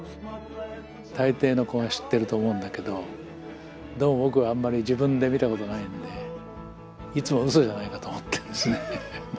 大抵の子は知ってると思うんだけどでも僕はあんまり自分で見たことないんでいつもうそじゃないかと思ってるんですね。